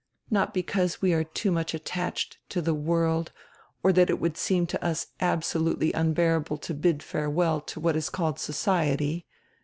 Not because we are too much attached to die world or diat it would seem to us absolutely unbear able to bid farewell to what is called 'society.'